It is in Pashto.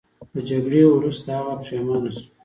د جګړې وروسته هغه پښیمانه شو.